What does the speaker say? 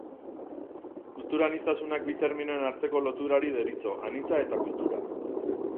Kulturaniztasunak bi terminoen arteko loturari deritzo, anitza eta kultura.